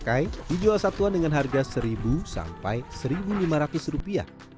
sekarang di jual satuan dengan harga seribu sampai seribu lima ratus rupiah